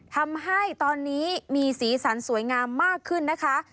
ทำให้ตอนนี้มีสีสันสวยงามมากขึ้นนะคะ